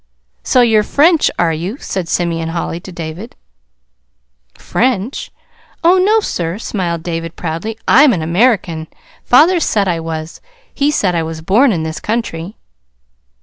"So you're French, are you?" said Simeon Holly to David. "French? Oh, no, sir," smiled David, proudly. "I'm an American. Father said I was. He said I was born in this country."